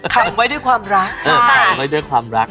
ขังไว้ด้วยความรักใช่ไหมใช่ขังไว้ด้วยความรัก